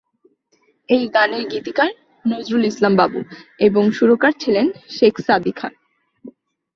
এই গানের গীতিকার নজরুল ইসলাম বাবু এবং সুরকার ছিলেন শেখ সাদী খান।